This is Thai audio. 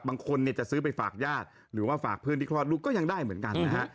บางคนเนี่ยจะซื้อไปฝากญาติหรือว่าฝากเพื่อนที่คลอดลูกก็ยังได้เหมือนกันนะฮะ